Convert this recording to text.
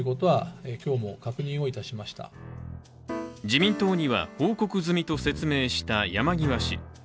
自民党には報告済みと説明した山際氏。